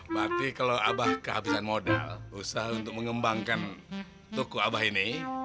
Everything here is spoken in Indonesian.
berarti kalau abah kehabisan modal usaha untuk mengembangkan toko abah ini